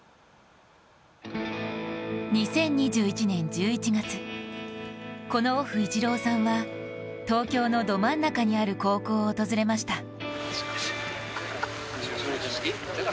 ２０２１年１１月、このオフイチローさんは東京のど真ん中にある高校を訪れました。